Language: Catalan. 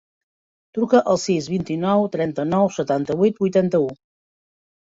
Truca al sis, vint-i-nou, trenta-nou, setanta-vuit, vuitanta-u.